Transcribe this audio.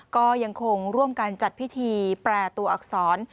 ก็ยังคงร่วมกันจัดพิธีแปรตัวอักษร